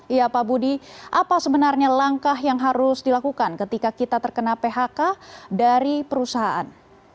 iya pak budi apa sebenarnya langkah yang harus dilakukan ketika kita terkena phk dari perusahaan